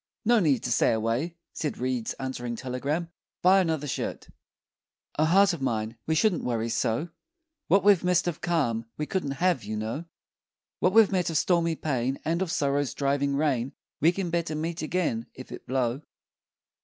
"No need to stay away," said Reed's answering telegram; "buy another shirt." O heart of mine, we shouldn't Worry so! What we've missed of calm we couldn't Have, you know! What we've met of stormy pain, And of sorrow's driving rain, We can better meet again, If it blow!